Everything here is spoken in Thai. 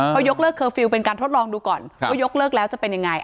เขายกเลิกเคอร์ฟิลล์เป็นการทดลองดูก่อนว่ายกเลิกแล้วจะเป็นยังไง